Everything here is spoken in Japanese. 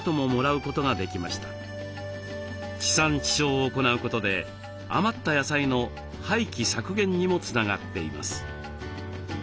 地産地消を行うことで余った野菜の廃棄削減にもつながっています。